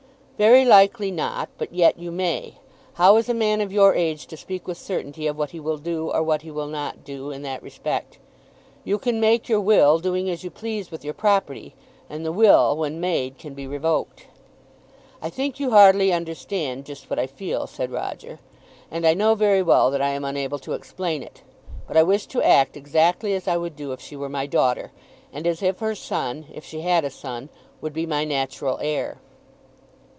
"Very likely not, but yet you may. How is a man of your age to speak with certainty of what he will do or what he will not do in that respect? You can make your will, doing as you please with your property; and the will, when made, can be revoked." "I think you hardly understand just what I feel," said Roger, "and I know very well that I am unable to explain it. But I wish to act exactly as I would do if she were my daughter, and as if her son, if she had a son, would be my natural heir."